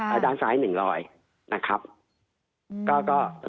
ภายด้านซ้าย๑๐๐นะครับ